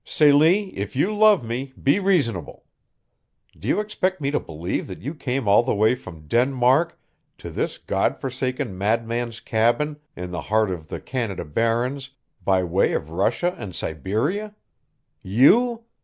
"Celie, if you love me, be reasonable! Do you expect me to believe that you came all the way from Denmark to this God forsaken madman's cabin in the heart of the Canada Barrens by way of Russia and Siberia? YOU!